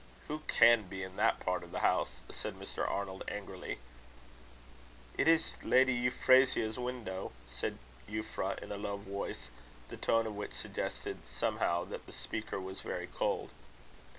"Who can be in that part of the house?" said Mr. Arnold, angrily. "It is Lady Euphrasia's window," said Euphra, in a low voice, the tone of which suggested, somehow, that the speaker was very cold.